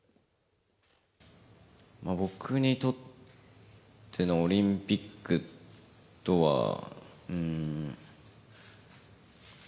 僕にとってのオリンピックとは。